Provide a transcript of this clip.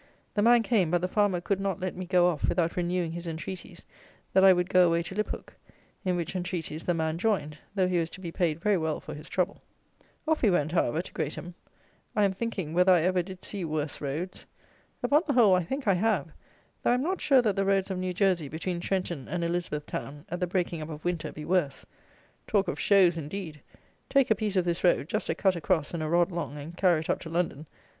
The man came, but the farmer could not let me go off without renewing his entreaties, that I would go away to Liphook, in which entreaties the man joined, though he was to be paid very well for his trouble. Off we went, however, to Greatham. I am thinking, whether I ever did see worse roads. Upon the whole, I think, I have; though I am not sure that the roads of New Jersey, between Trenton and Elizabeth Town, at the breaking up of winter, be worse. Talk of shows, indeed! Take a piece of this road; just a cut across, and a rod long, and carry it up to London.